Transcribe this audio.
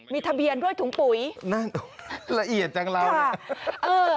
มีทะเบียนด้วยถุงปุ๋ยนั่นละเอียดจังแล้วเนี่ย